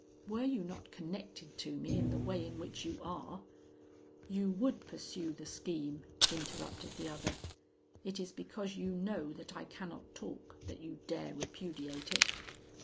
Were you not connected to me in the way in which you are ' 'You would pursue the scheme,' interrupted the other; 'it is because you know that I cannot talk, that you dare repudiate it.